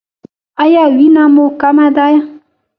ایا وینه مو کمه ده؟